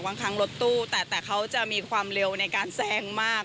บางครั้งรถตู้แต่เขาจะมีความเร็วในการแซงมาก